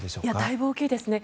だいぶ大きいですね。